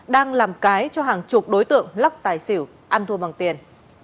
đang làm cái cho hàng chục đối tượng lắc tài xỉu ăn thua bằng tiền